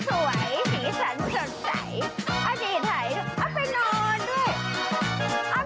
สวยสีสันสะใสดีไท้ไปนอนด้วย